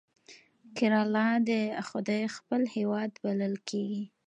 کیرالا د خدای خپل هیواد بلل کیږي.